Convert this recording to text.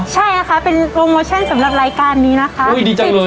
ใช่แหละค่ะเป็นโปรโมเช็นสำหรับรายการนี้นะคะอุ้ยดีจังเลย